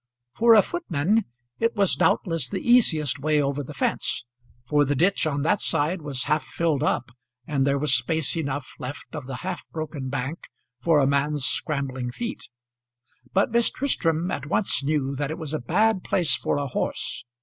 For a footman it was doubtless the easiest way over the fence, for the ditch on that side was half filled up, and there was space enough left of the half broken bank for a man's scrambling feet; but Miss Tristram at once knew that it was a bad place for a horse.